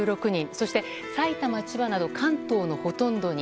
そして埼玉、千葉など関東のほとんどに。